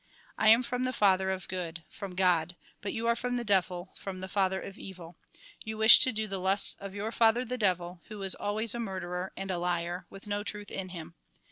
I am from the Father of good, from God ; but you are from the devil, from the father of evil. You wish to do the lusts of your father the devil, who is always a murderer, and a liar, with no truth in him.